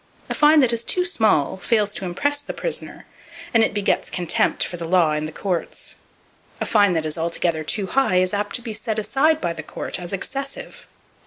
A fine that is too small fails to impress the prisoner, and it begets contempt for the law and the courts! A fine that is altogether too high is apt to be set aside by the court as "excessive."